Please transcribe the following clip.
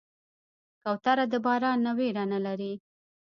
کوتره د باران نه ویره نه لري.